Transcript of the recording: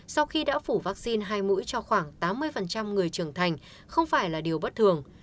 sau khi đã phủ vaccine hai mũi cho khoảng tám mươi người trưởng thành không phải là điều bất thường